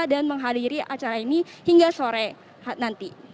dan menghadiri acara ini hingga sore nanti